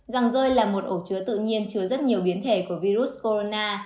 răng rơi là một ổ chứa tự nhiên chứa rất nhiều biến thể của virus corona